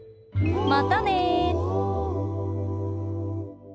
またね！